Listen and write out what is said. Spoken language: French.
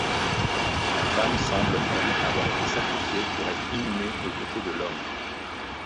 La femme semble, elle, avoir été sacrifiée pour être inhumée aux côtés de l'homme.